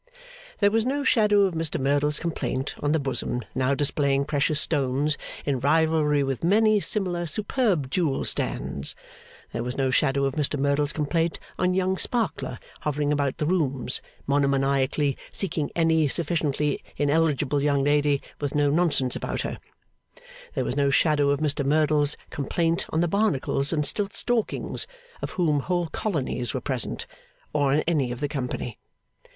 There was no shadow of Mr Merdle's complaint on the bosom now displaying precious stones in rivalry with many similar superb jewel stands; there was no shadow of Mr Merdle's complaint on young Sparkler hovering about the rooms, monomaniacally seeking any sufficiently ineligible young lady with no nonsense about her; there was no shadow of Mr Merdle's complaint on the Barnacles and Stiltstalkings, of whom whole colonies were present; or on any of the company.